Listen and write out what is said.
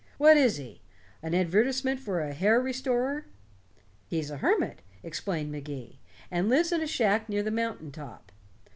What is he an advertisement for a hair restorer?" "He's a hermit," explained Magee, "and lives in a shack near the mountain top.